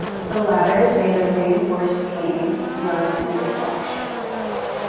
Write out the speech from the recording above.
The latter is made of reinforced cane, mud and whitewash.